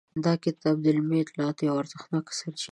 دا کتاب د علمي اطلاعاتو یوه ارزښتناکه سرچینه ده.